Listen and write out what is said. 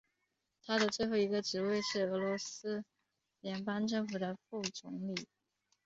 他的最后一个职位是俄罗斯联邦政府副总理。